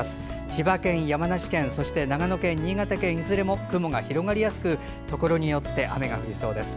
千葉県、長野県、山梨県、新潟県いずれも雲が広がりやすくところによって雨が降りそうです。